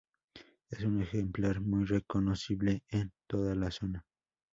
Es un ejemplar muy reconocible en toda la zona.